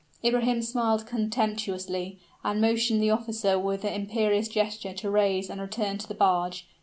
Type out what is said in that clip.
Ibrahim smiled contemptuously, and motioned the officer with an imperious gesture to rise and return to the barge.